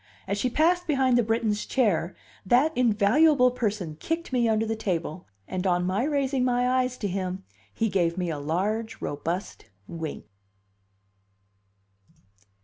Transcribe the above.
As she passed behind the Briton's chair, that invaluable person kicked me under the table, and on my raising my eyes to him he gave me a large, robust wink.